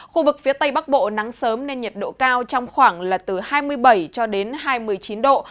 khu vực phía tây bắc bộ nắng sớm nên nhiệt độ cao trong khoảng là từ hai mươi bảy cho đến hai mươi chín độ